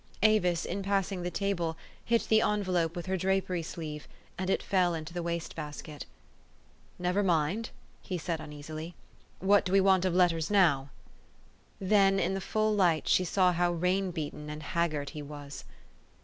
Avis, in passing the table, hit the envelope with her drapery sleeve, and it fell into the waste basket. " Never mind!" he said uneasily. " What do we want of letters now? " Then in the full light she saw how rain beaten and haggard he was.